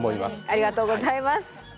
ありがとうございます！